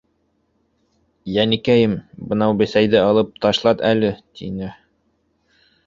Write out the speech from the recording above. —Йәнекәйем, бынау бесәйҙе алып ташлат әле! —тине.